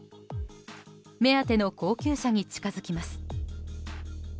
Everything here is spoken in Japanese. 目当ての高級車に近づきます。